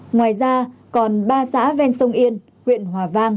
ngoài ra còn ba xã ven sông yên huyện hòa vang